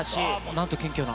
なんと謙虚な。